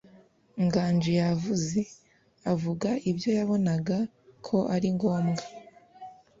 Nganji yavuze, avuga ibyo yabonaga ko ari ngombwa.